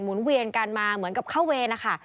นเวียนกันมาเหมือนกับเข้าเวรนะคะ